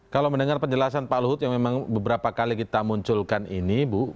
kalau mendengar penjelasan pak luhut yang memang beberapa kali kita munculkan ini bu